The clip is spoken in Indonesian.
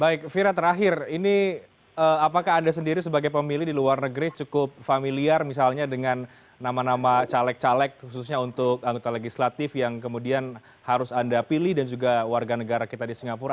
baik vira terakhir ini apakah anda sendiri sebagai pemilih di luar negeri cukup familiar misalnya dengan nama nama caleg caleg khususnya untuk anggota legislatif yang kemudian harus anda pilih dan juga warga negara kita di singapura